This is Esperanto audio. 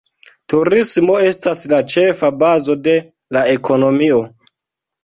Turismo estas la ĉefa bazo de la ekonomio.